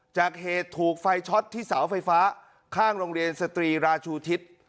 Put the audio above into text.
จากเหตุถูกไฟช็อตที่เสาไฟฟ้าข้างโรงเรียนสตรีราชูทิศ